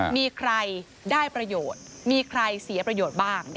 มีใครได้ประโยชน์มีใครเสียประโยชน์บ้าง